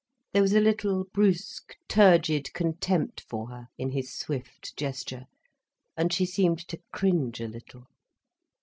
There was a little brusque, turgid contempt for her in his swift gesture, and she seemed to cringe a little.